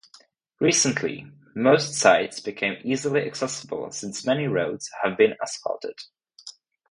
Recently, most sites became easily accessible since many roads have been asphalted.